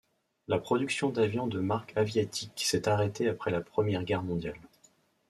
La production d'avions de marque Aviatik s'est arrêtée après la Première Guerre mondiale.